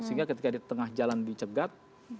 sehingga ketika di tengah jalan dicegat